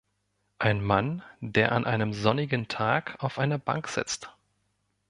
Ein Mann, der an einem sonnigen Tag auf einer Bank sitzt.